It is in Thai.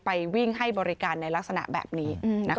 ไปวิ่งให้บริการในลักษณะแบบนี้